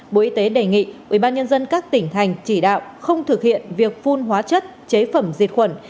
bộ y tế đề nghị ubnd các tỉnh thành chỉ đạo không thực hiện việc phun hóa chất chế phẩm diệt khuẩn